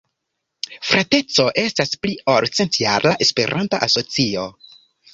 Frateco estas pli ol centjara esperanta asocio.